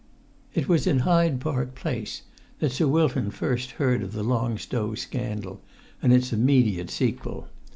It was in Hyde Park Place that Sir Wilton first heard of the Long Stow scandal and its immediate sequel.